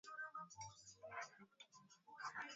kwa dawa za kuua vijisumu